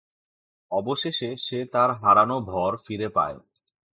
অবশেষে সে তার হারানো ভর ফিরে পায়।